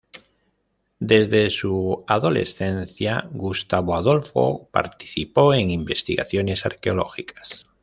Desde su adolescencia Gustavo Adolfo participó en investigaciones arqueológicas.